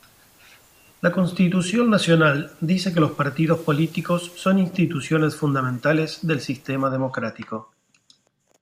La Constitución Nacional dice que los partidos políticos son instituciones fundamentales del sistema democrático.